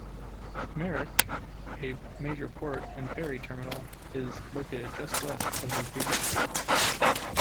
Merak, a major port and ferry terminal, is located just west of the regency.